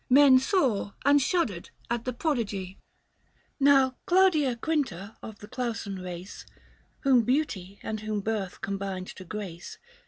340 Men saw and shuddered at the prodigy ! Now Claudia Quinta of the Clausan race, Whom beauty, and whom birth combined to grace.